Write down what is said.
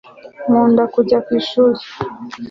nkunda kujya ku ishuri